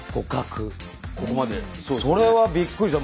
それはびっくりした。